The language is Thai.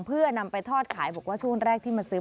เพื่อนำไปทอดขายบอกว่าช่วงแรกที่มาซื้อ